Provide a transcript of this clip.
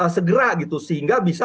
segera gitu sehingga bisa